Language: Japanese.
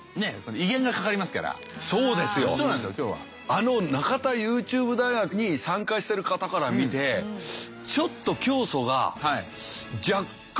あの中田ＹｏｕＴｕｂｅ大学に参加してる方から見てあとごめんなさい。